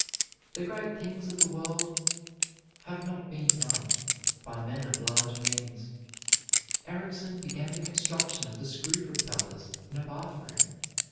The great things of the world have not been done by men of large means. Ericsson began the construction of the screw propellers in a bathroom.